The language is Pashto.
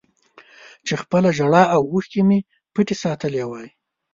چې خپله ژړا او اوښکې مې پټې ساتلې وای